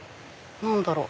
何だろう？